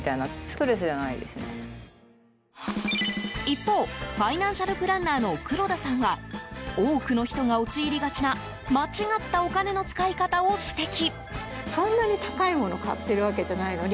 一方ファイナンシャルプランナーの黒田さんは多くの人が陥りがちな間違ったお金の使い方を指摘。